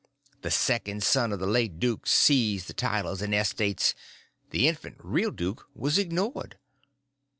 The second son of the late duke seized the titles and estates—the infant real duke was ignored.